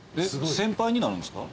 先輩になるんですか？